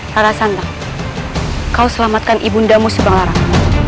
rara santang kau selamatkan ibu ndamu subanglarang